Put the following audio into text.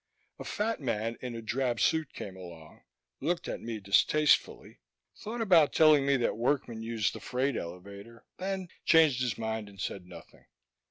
A fat man in a drab suit came along, looked at me distastefully, thought about telling me that workmen used the freight elevator, then changed his mind and said nothing.